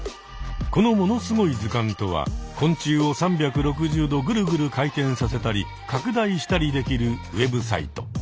この「ものすごい図鑑」とは昆虫を３６０度グルグル回転させたり拡大したりできるウェブサイト。